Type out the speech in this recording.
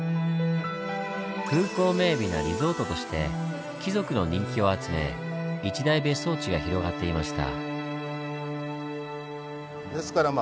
風光明美なリゾートとして貴族の人気を集め一大別荘地が広がっていました。